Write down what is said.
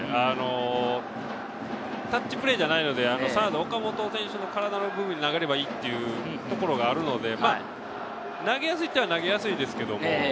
タッチプレーじゃないので、サード・岡本選手の体の部分に投げればいいっていうところがあるので、投げやすいっちゃ投げやすいですけども。